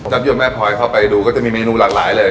ยวนแม่พลอยเข้าไปดูก็จะมีเมนูหลากหลายเลย